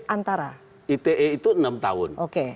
antara ite itu enam tahun